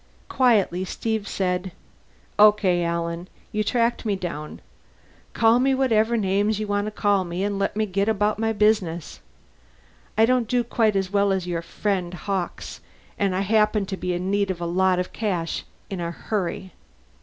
Quietly Steve said, "Okay, Alan. You tracked me down. Call me whatever names you want to call me and let me get about my business. I don't do quite as well as your friend Hawkes, and I happen to be in need of a lot of cash in a hurry."